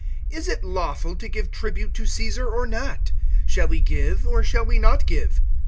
Is it lawful to give tribute to Caesar, or not? (15)Shall we give, or shall we not give?